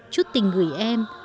chút tình gửi em